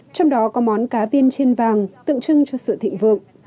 trong đó có món cá viên trên vàng tượng trưng cho sự thịnh vượng